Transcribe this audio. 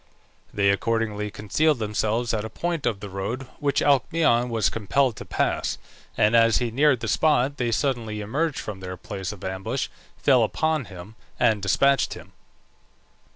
They accordingly concealed themselves at a point of the road which Alcmaeon was compelled to pass, and as he neared the spot they suddenly emerged from their place of ambush, fell upon him and despatched him.